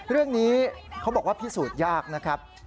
เรื่องนี้เขาบอกว่าพิสูจน์ยากนะครับ